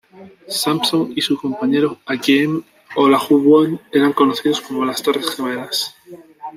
Sampson y su compañero Hakeem Olajuwon eran conocidos como "Las Torres Gemelas".